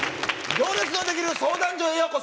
行列のできる相談所へようこ